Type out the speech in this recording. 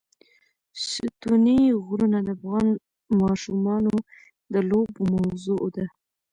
ستوني غرونه د افغان ماشومانو د لوبو موضوع ده.